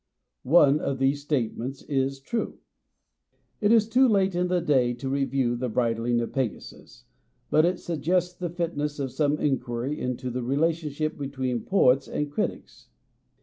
One of these statements is true. It is too late in the day to review " The Bridling of Pegasus," but it suggests the fit ness of some inquiry into the relationship between poets and critics.